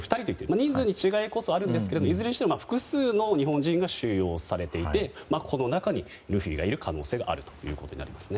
人数に違いこそあるんですがいずれにしても複数の日本人が収容されていてこの中にルフィがいる可能性があるということになりますね。